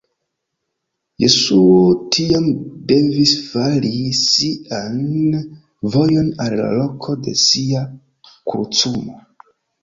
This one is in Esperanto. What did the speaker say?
Jesuo tiam devis fari sian vojon al la loko de sia krucumo.